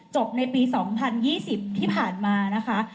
ในปี๒๐๒๐ที่ผ่านมานะคะ